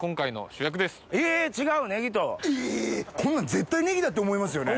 絶対ネギだって思いますよね？